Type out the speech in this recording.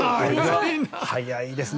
早いですね。